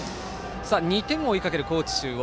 ２点を追いかける高知中央。